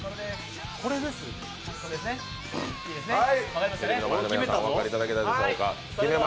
テレビの前の皆さんお分かりいただけたでしょうか。